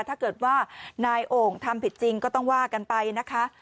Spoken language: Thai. ถ้าเกิดว่านายโอ่งทำผิดจริงก็ต้องว่ากันไปนะคะ